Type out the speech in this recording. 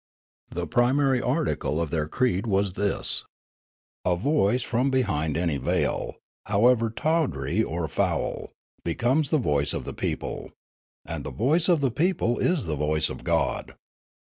The primary article of their creed was this : a voice from behind any veil, however tawdry or foul, becomes the voice of the people ; and the voice of the people is the voice of God.